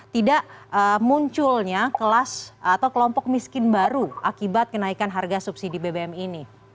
tidak munculnya kelas atau kelompok miskin baru akibat kenaikan harga subsidi bbm ini